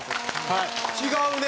違うね。